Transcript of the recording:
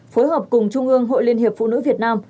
phối hợp cùng trung ương hội liên hiệp phụ nữ việt nam